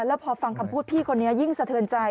แล้วพอฟังคำพูดพี่คนนี้ยิ่งสะเทินใจ